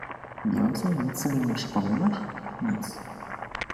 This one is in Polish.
— Więcej nic sobie nie przypominasz? — Nic.